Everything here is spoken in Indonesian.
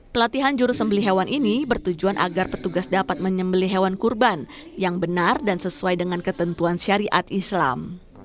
pelatihan juru sembeli hewan ini bertujuan agar petugas dapat menyembeli hewan kurban yang benar dan sesuai dengan ketentuan syariat islam